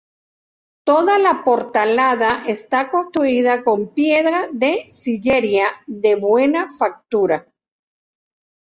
Toda la portalada está construida con piedra de sillería de buena factura.